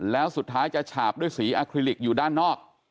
แล้วสุดท้ายจะฉาบด้วยสีอาคลิลิกอยู่ด้านนอก